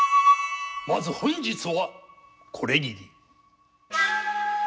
まず本日はこれぎり。